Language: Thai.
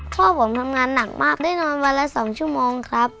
พ่อผมทำงานหนักมากได้นอนวันละ๒ชั่วโมงครับ